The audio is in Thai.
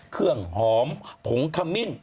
เครื่องหอมผงคามิ้น